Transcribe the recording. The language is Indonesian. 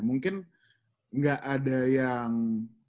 mungkin gak ada yang